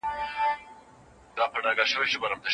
آیا ازاده مطالعه ستا فکر خلاصوي؟